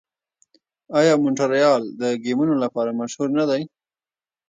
آیا مونټریال د ګیمونو لپاره مشهور نه دی؟